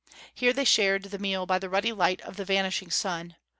Here they shared the meal by the ruddy light of the vanishing sun.